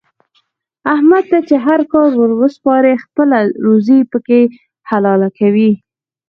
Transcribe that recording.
احمد ته چې هر کار ور وسپارې خپله روزي پکې حلاله کوي.